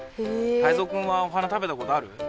タイゾウくんはお花食べたことある？